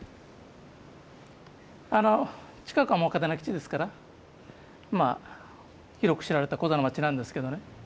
近くはもう嘉手納基地ですからまあ広く知られたコザの街なんですけどね。